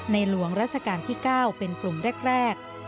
หลวงราชการที่๙เป็นกลุ่มแรก